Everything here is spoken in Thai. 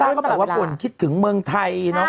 แต่ตอนนี้ลิซ่าก็แบบว่าควรคิดถึงเมืองไทยเนอะ